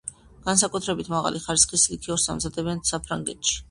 განსაკუთრებით მაღალი ხარისხის ლიქიორს ამზადებდნენ საფრანგეთში.